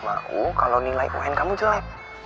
sama aku kalau nilai umen kamu jelek